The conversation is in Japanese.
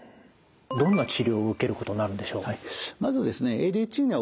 どんな治療を受けることになるんでしょう？